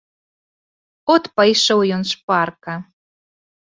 От пайшоў ён шпарка.